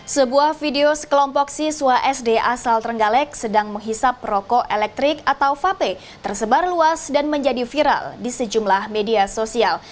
sebuah video sekelompok siswa sd asal trenggalek sedang menghisap rokok elektrik atau vape tersebar luas dan menjadi viral di sejumlah media sosial